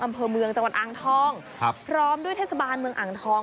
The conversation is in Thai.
อำเภอเมืองจังหวัดอ่างทองครับพร้อมด้วยเทศบาลเมืองอ่างทอง